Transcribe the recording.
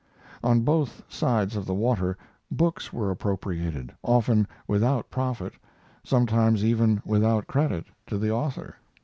On both sides of the water books were appropriated, often without profit, sometimes even without credit, to the author.